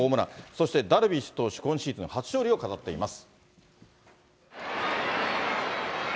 そしてダルビッシュ投手、今シーズン初勝利を飾っています。